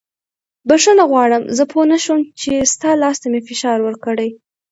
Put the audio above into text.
بښنه غواړم زه پوه نه شوم چې ستا لاس ته مې فشار ورکړی.